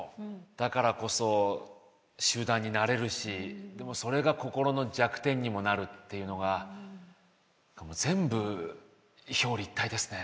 だからこそ集団になれるしでもそれが心の弱点にもなるっていうのが全部表裏一体ですね。